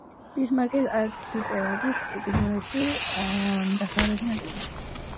ბისმარკის არქიპელაგის უკიდურესი დასავლეთი ნაწილია.